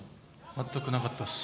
全くなかったです。